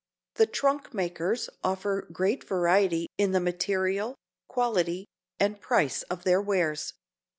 The trunk makers offer great variety in the material, quality and price of their wares.